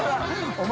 お前。